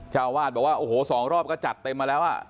เจ้าวาดบอกว่าโอ้โหสองรอบก็จัดเต็มมาแล้วอ่ะ